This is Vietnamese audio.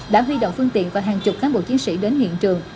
đã huy động phương tiện và hàng chục cán bộ chiến sĩ đến hiện trường